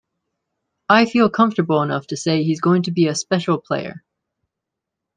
I feel comfortable enough to say he's going to be a special player.